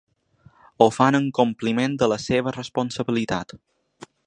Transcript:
Ho fan en compliment de la seva responsabilitat.